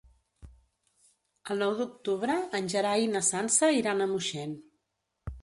El nou d'octubre en Gerai i na Sança iran a Moixent.